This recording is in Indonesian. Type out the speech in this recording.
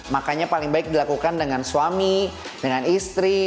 makanya paling baik dilakukan dengan suami dengan istri